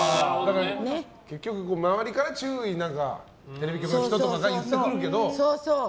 結局周りから注意テレビ局の人たちが言ってくるけど。